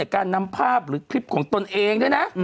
การนำภาพหรือคลิปของตนเองด้วยนะ